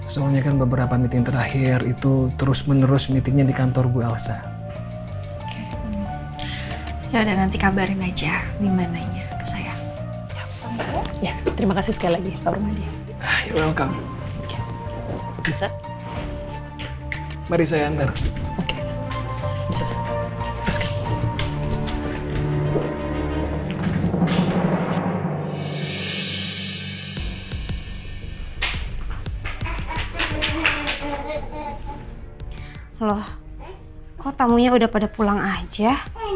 soalnya kan beberapa meeting terakhir ya saya cuma ingin ketemu di suasana aja